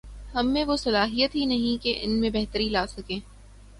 ہم میں وہ صلاحیت ہی نہیں کہ ان میں بہتری لا سکیں۔